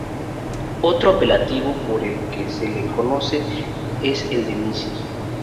Otro apelativo por el que se la conoce es el de Missy.